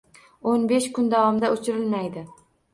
O'n besh kun davomida o'chirilmaydi